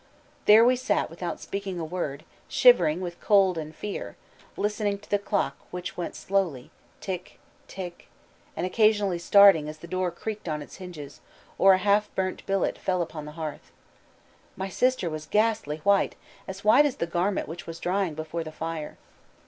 There we sat without speaking a word, shivering with cold and fear, listening to the clock which went slowly, tick, tick, and occasionally starting as the door creaked on its hinges, or a half burnt billet fell upon the hearth. My sister was ghastly white, as white as the garment which was drying before the fire.